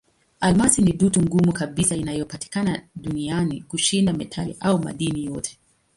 Almasi ni dutu ngumu kabisa inayopatikana duniani kushinda metali au madini yote.